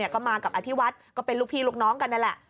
ก็มากับอธิวัฒน์ก็เป็นลูกพี่ลูกน้องกันนั่นแหละ